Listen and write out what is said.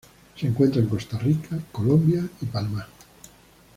Se encuentra en Costa Rica, Colombia y Panamá.